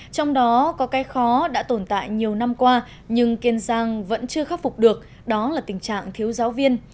trong đó có cái khó đã tồn tại nhiều năm qua nhưng kiên giang vẫn chưa khắc phục được đó là tình trạng thiếu giáo viên